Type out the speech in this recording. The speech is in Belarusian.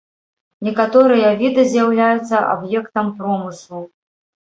Некаторыя віды з'яўляюцца аб'ектам промыслу.